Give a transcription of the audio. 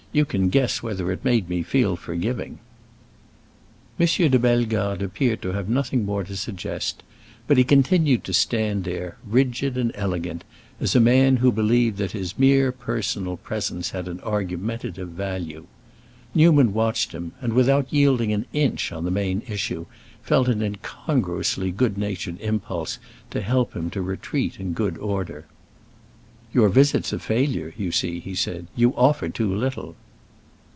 You can guess whether it made me feel forgiving!" M. de Bellegarde appeared to have nothing more to suggest; but he continued to stand there, rigid and elegant, as a man who believed that his mere personal presence had an argumentative value. Newman watched him, and, without yielding an inch on the main issue, felt an incongruously good natured impulse to help him to retreat in good order. "Your visit's a failure, you see," he said. "You offer too little."